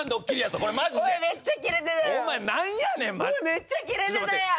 めっちゃキレてたやん。